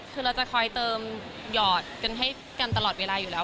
คือเราจะคอยเติมหยอดกันให้กันตลอดเวลาอยู่แล้ว